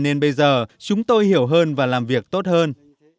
nên bây giờ chúng tôi hiểu hơn và làm việc tốt hơn